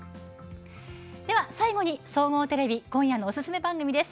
最後に、総合テレビ今夜のおすすめ番組です。